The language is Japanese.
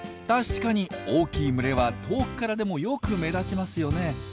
確かに大きい群れは遠くからでもよく目立ちますよね。